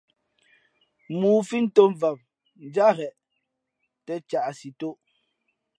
̀mōō fi, ntōm vam njáʼ gheʼ tᾱ caʼsi tōʼ.